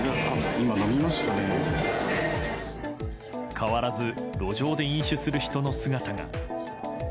変わらず路上で飲酒する人の姿が。